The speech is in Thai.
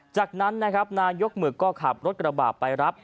จากนั้นนายกมึกขับรถกระบาดไปรับ